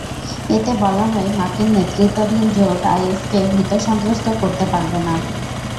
এতে বলা হয়, মার্কিন নেতৃত্বাধীন জোট আইএসকে ভীতসন্ত্রস্ত করতে পারবে না।